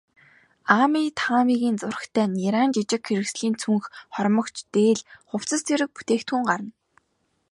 Аами, Таамигийн зурагтай нярайн жижиг хэрэгслийн цүнх, хормогч, дээл, хувцас зэрэг бүтээгдэхүүн гарна.